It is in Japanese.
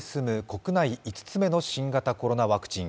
国内５つ目の新型コロナワクチン。